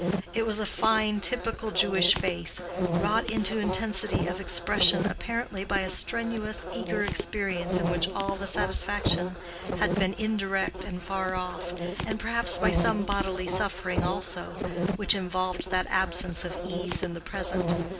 It was a fine typical Jewish face, wrought into intensity of expression apparently by a strenuous eager experience in which all the satisfaction had been indirect and far off, and perhaps by some bodily suffering also, which involved that absence of ease in the present.